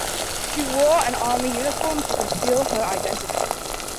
She wore an Army uniform to conceal her identity.